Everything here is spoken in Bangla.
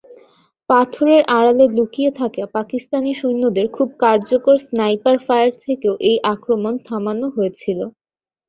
পাথরের আড়ালে লুকিয়ে থাকা পাকিস্তানি সৈন্যদের খুব কার্যকর স্নাইপার ফায়ার থেকেও এই আক্রমণ থামানো হয়েছিল।